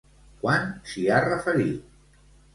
Quan s'hi ha referit?